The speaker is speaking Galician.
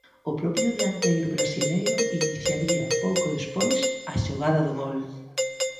O propio dianteiro brasileiro iniciaría pouco despois a xogada do gol.